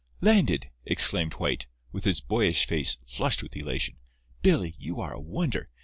"Landed," exclaimed White, with his boyish face flushed with elation. "Billy, you are a wonder.